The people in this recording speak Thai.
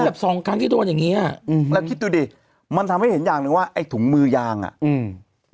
แบบสองครั้งที่โดนอย่างงี้อ่ะอืมแล้วคิดดูดิมันทำให้เห็นอย่างหนึ่งว่าไอ้ถุงมือยางอ่ะอืม